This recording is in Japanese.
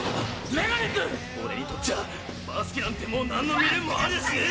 三井：俺にとっちゃバスケなんてもう何の未練もありゃしねえ！